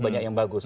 banyak yang bagus